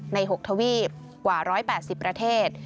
ใน๖ทวีปกว่า๑๘๐ประเทศ